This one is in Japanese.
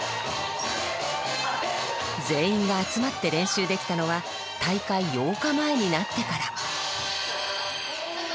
全員が集まって練習できたのは大会８日前になってから。